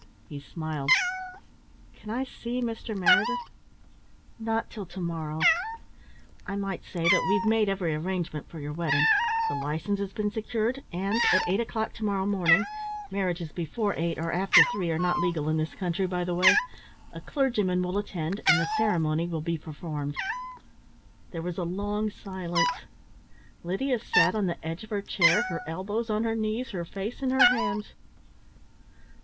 He smiled. "Can I see Mr. Meredith?" "Not till to morrow. I might say that we've made every arrangement for your wedding, the licence has been secured and at eight o'clock to morrow morning marriages before eight or after three are not legal in this country, by the way a clergyman will attend and the ceremony will be performed." There was a long silence. Lydia sat on the edge of her chair, her elbows on her knees, her face in her hands.